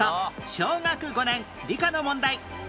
小学５年理科の問題